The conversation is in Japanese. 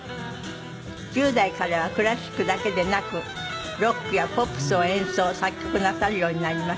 １０代からはクラシックだけでなくロックやポップスを演奏作曲なさるようになりました。